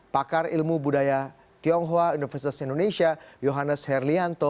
pakar ilmu budaya tionghoa universitas indonesia yohannes herlianto